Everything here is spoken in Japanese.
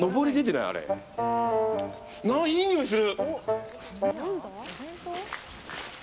いいにおいがする！